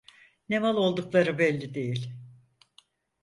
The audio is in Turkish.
Ne mal oldukları belli değil…